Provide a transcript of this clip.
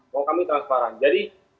mau kami transparan jadi